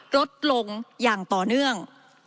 ลดลงอย่างต่อเนื่อง